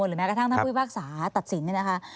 หรือแม้กระทั่งทำคุยพะสาตัดสิน